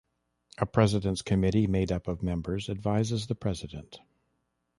A President's Committee, made up of members, advises the president.